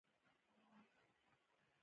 او په عین وخت کې افراطي اسلام تبلیغ کړي.